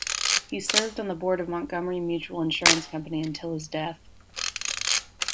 He served on the board of the Montgomery Mutual Insurance Company until his death.